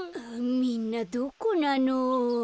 みんなどこなの？